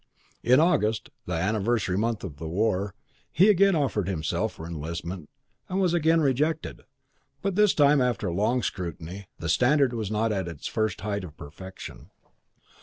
V In August, the anniversary month of the war, he again offered himself for enlistment and was again rejected, but this time after a longer scrutiny: the standard was not at its first height of perfection.